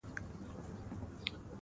اول اردن او بیت المقدس ته لاړم.